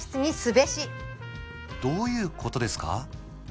どういうことですか？